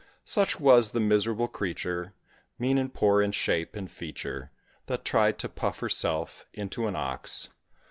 Such, was the miserable creature, Mean and poor in shape, in feature, That tried to puff herself into an ox.